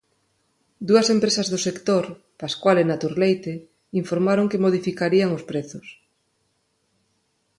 Dúas empresas do sector, Pascual e Naturleite, informaron que modificarían os prezos.